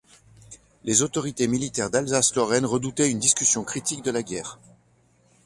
Les autorités militaires d’Alsace-Lorraine redoutaient une discussion critique de la guerre.